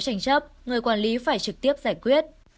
tranh chấp người quản lý phải trực tiếp giải quyết